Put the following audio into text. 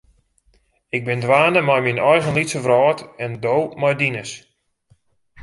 Ik bin dwaande mei myn eigen lytse wrâld en do mei dines.